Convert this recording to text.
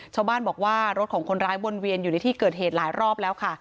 ชาวบ้านบอกว่ารถของคนร้ายวนเวียนอยู่ในที่เกิดเหตุหลายรอบแล้วค่ะ